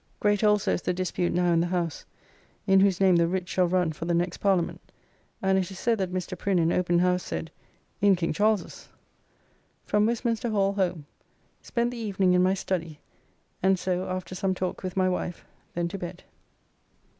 Great also is the dispute now in the House, in whose name the writs shall run for the next Parliament; and it is said that Mr. Prin, in open House, said, "In King Charles's." From Westminster Hall home. Spent the evening in my study, and so after some talk with my wife, then to bed.